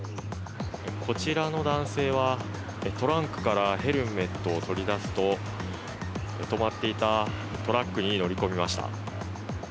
こちらの男性はトランクからヘルメットを取り出すと、止まっていたトラックに乗り込みました。